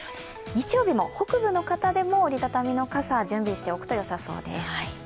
日曜日も北部の方でも折り畳み傘準備しておくとよさそうです。